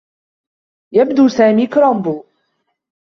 يبدو سامي كرامبو.